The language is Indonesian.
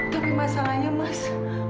tapi masalahnya mas